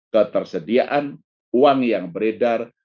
ketersediaan uang yang beredar